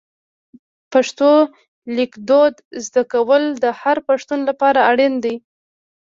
پښتو لیکدود زده کول د هر پښتون لپاره اړین دي.